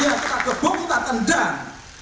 ya kita gebuk kita tendang